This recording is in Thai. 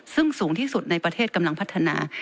ซึ่งสูงที่สุดในประเทศกำลังพัฒนา